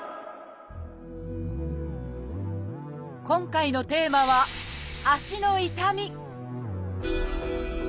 今回のテーマは「足の痛み」